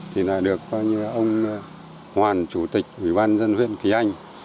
thì là được như ông hoàn chủ tịch ủy ban dân huyện kỳ anh